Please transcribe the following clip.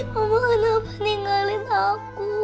mama kenapa tinggalin aku